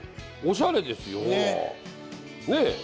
おしゃれですよ！ほらね！